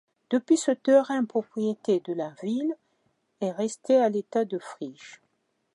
Depuis, ce terrain, propriété de la ville, est resté à l'état de friche.